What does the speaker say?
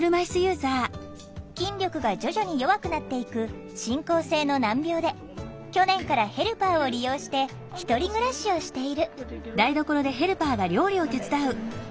筋力が徐々に弱くなっていく進行性の難病で去年からヘルパーを利用して１人暮らしをしているうんまだいけるね。